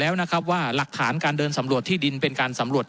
แล้วนะครับว่าหลักฐานการเดินสำรวจที่ดินเป็นการสำรวจ